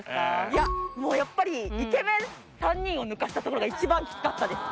いやもうやっぱりイケメン３人を抜かしたところが一番キツかったです